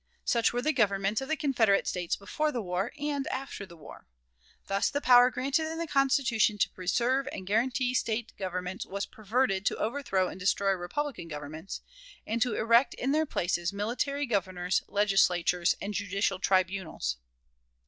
Such were the governments of the Confederate States before the war and after the war. Thus the power granted in the Constitution to preserve and guarantee State governments was perverted to overthrow and destroy republican governments, and to erect in their places military Governors, Legislatures, and judicial tribunals.